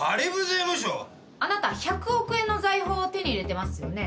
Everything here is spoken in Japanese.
あなた１００億円の財宝を手に入れてますよね？